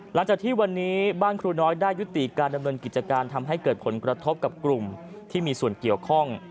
หลังจากที่วันนี้บ้านครูน้อยได้ยุติการดำเนินกิจการทำให้เกิดผลกระทบกับกลุ่มที่มีส่วนเกี่ยวข้อง